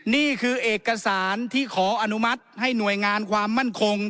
นี่คือเอกสารที่ขออนุมัติให้หน่วยงานความมั่นคง